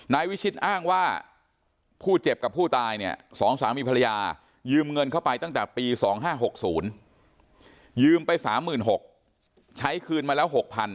นายวิชิตอ้างว่าผู้เจ็บกับผู้ตายเนี่ย๒สามีภรรยายืมเงินเข้าไปตั้งแต่ปี๒๕๖๐ยืมไป๓๖๐๐ใช้คืนมาแล้ว๖๐๐๐